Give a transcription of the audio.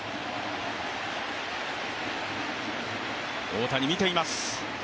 大谷見ています。